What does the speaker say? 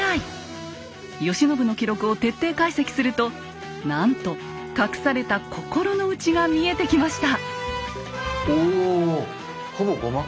慶喜の記録を徹底解析するとなんと隠された心の内が見えてきました。